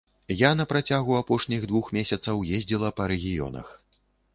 Я на працягу апошніх двух месяцаў ездзіла па рэгіёнах.